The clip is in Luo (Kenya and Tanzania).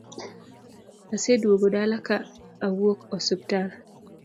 Aseduogo dala ka awuok osiptal